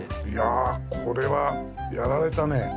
いやあこれはやられたね。